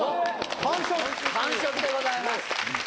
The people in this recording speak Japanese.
完食でございます。